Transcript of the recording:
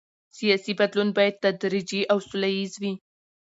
سیاسي بدلون باید تدریجي او سوله ییز وي